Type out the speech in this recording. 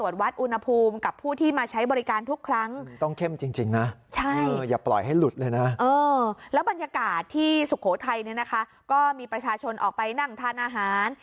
สุโขทัยนี้นะคะก็มีประชาชนออกไปนั่งท่านอาหาร